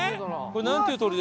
これ。